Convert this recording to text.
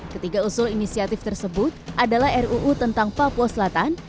ketiga usul inisiatif tersebut adalah ruu tentang papua selatan